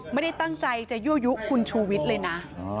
ไม่ได้ตั้งใจจะยั่วยุคุณชูวิทย์เลยนะ